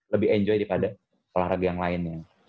lebih enjoy daripada olahraga yang lainnya